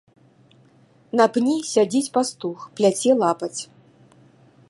На пні сядзіць пастух, пляце лапаць.